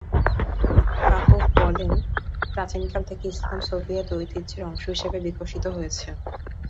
পাপভ বললেন, প্রাচীনকাল থেকে ইসলাম সোভিয়েত ঐতিহ্যের অংশ হিসেবে বিকশিত হয়েছে।